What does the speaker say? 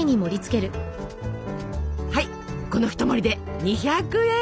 はいこの一盛りで２００円。